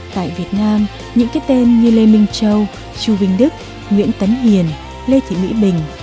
tại việt nam những cái tên như lê minh châu chu vinh đức nguyễn tấn hiền lê thị mỹ bình